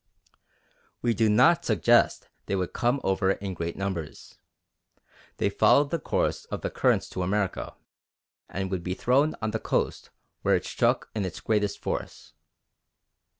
We do not suggest that they would come over in great numbers. They followed the course of the current to America, and would be thrown on the coast where it struck in its greatest force.